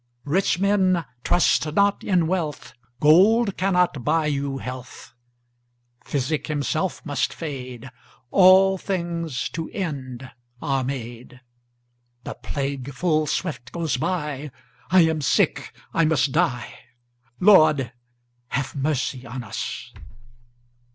Rich men, trust not in wealth, Gold cannot buy you health; Physic himself must fade; 10 All things to end are made; The plague full swift goes by; I am sick, I must die— Lord, have mercy on us!